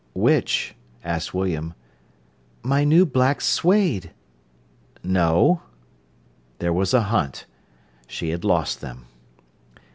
"Which?" asked William. "My new black suède." "No." There was a hunt. She had lost them.